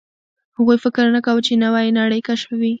هغوی فکر نه کاوه، چې نوې نړۍ کشفوي.